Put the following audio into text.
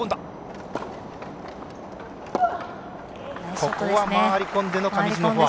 ここは回り込んでの上地のフォア。